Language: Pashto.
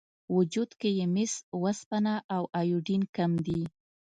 وجود کې یې مس، وسپنه او ایودین کم دي.